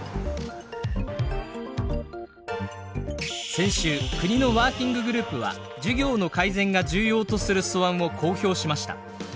先週国のワーキンググループは授業の改善が重要とする素案を公表しました。